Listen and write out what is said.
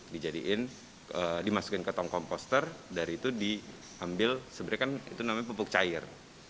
dijadikan dimasukkan ke tong komposter dari itu diambil sebenarnya kan itu namanya pupuk cair